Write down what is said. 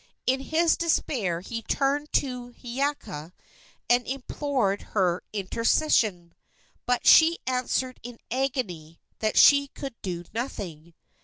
In his despair he turned to Hiiaka and implored her intercession, but she answered in agony that she could do nothing.